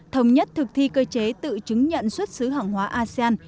thống nhất thực thi cơ chế tự chứng nhận xuất xứ hàng hóa asean